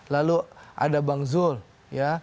lalu ada bang zul ya